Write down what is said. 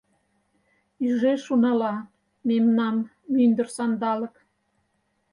Ӱжеш унала мемнам мӱндыр Сандалык